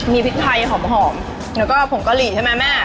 มีพริกไทยหอมแล้วก็ผงกะหรี่ใช่ไหมแม่